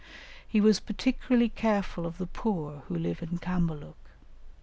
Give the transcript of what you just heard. He was particularly careful of the poor who lived in Cambaluc.